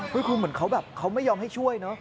คือเหมือนเขาแบบเขาไม่ยอมให้ช่วยเนอะ